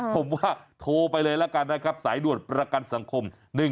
ผมว่าโทรไปเลยละกันนะครับสายด่วนประกันสังคม